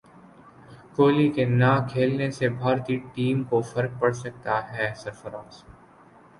کوہلی کے نہ کھیلنے سے بھارتی ٹیم کو فرق پڑسکتا ہے سرفراز